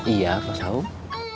iya pak sahub